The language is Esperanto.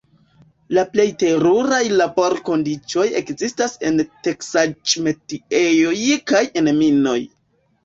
La plej teruraj laborkondiĉoj ekzistas en teksaĵ-metiejoj kaj en minoj.